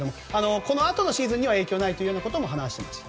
このあとのシーズンには影響がないということも話していました。